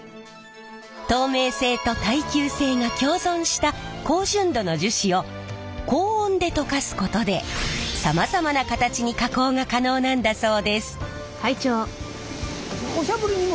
透明性と耐久性が共存した高純度の樹脂を高温で溶かすことでさまざまな形に加工が可能なんだそうです！